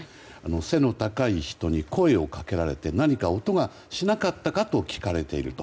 背の高い人に声をかけられて何か音がしなかったか？と聞かれていると。